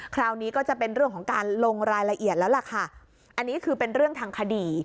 คราวนี้ก็จะเป็นเรื่องของการลงรายละเอียดแล้วล่ะค่ะอันนี้คือเป็นเรื่องทางคดี